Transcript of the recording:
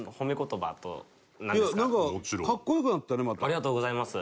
ありがとうございます。